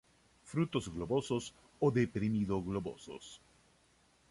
Frutos globosos o deprimido-globosos.